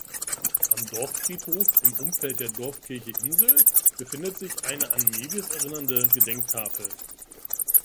Am Dorffriedhof im Umfeld der Dorfkirche Insel befindet sich eine an Mewis erinnernde Gedenktafel.